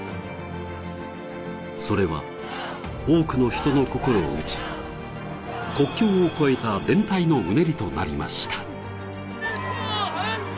それは多くの人の心を打ち、国境を越えた連帯のうねりとなりました。